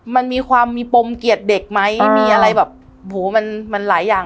มันมีความมีปมเกลียดเด็กไหมมีอะไรแบบโหมันมันหลายอย่าง